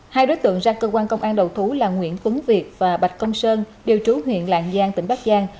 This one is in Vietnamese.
hai đối tượng ra cơ quan công an đầu thú là nguyễn tuấn việt và bạch công sơn đều trú huyện lạng giang tỉnh bắc giang